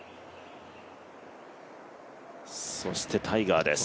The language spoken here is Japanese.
そしてタイガーです。